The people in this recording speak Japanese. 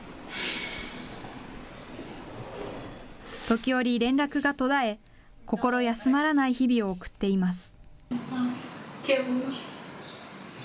時折、連絡が途絶え、心休まらない日々を送っています。